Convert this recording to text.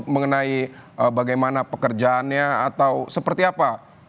mengenai bagaimana pekerjaannya atau seperti apa